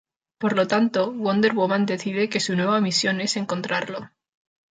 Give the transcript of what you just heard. Por lo tanto, Wonder Woman decide que su nueva misión es encontrarlo.